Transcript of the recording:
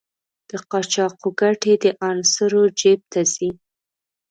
د قاچاقو ګټې د عناصرو جېب ته ځي.